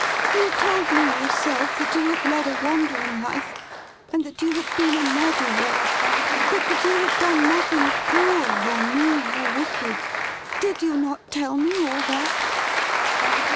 You told me yourself that you had led a wandering life, and that you had been a ne'er do well, but that you had done nothing cruel, or mean, or wicked. Did you not tell me all that